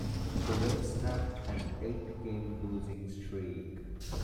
The win snapped an eight-game losing streak.